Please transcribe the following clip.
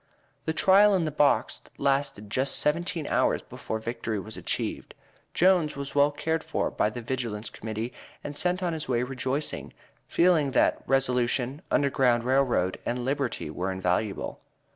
The trial in the box lasted just seventeen hours before victory was achieved. Jones was well cared for by the Vigilance Committee and sent on his way rejoicing, feeling that Resolution, Underground Rail Road, and Liberty were invaluable.